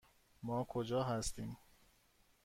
ما کجا هستیم؟